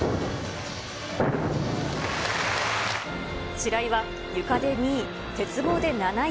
白井はゆかで２位、鉄棒で７位。